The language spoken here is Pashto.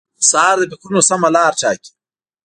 سهار د فکرونو سمه لار ټاکي.